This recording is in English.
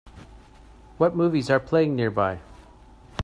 what movies are playing nearby